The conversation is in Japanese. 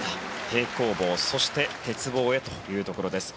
平行棒そして鉄棒へというところです。